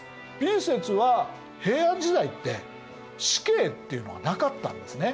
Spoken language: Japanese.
Ｂ説は平安時代って死刑っていうのがなかったんですね。